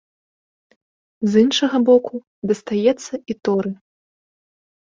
З іншага боку, дастаецца і торы.